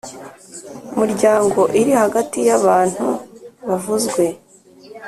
muryango iri hagati yabantu bavuzwe